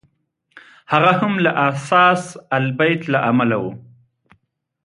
هغه هم له اثاث البیت له امله و.